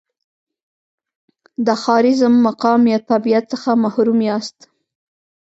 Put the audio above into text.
د ښاریز مقام یا تابعیت څخه محروم یاست.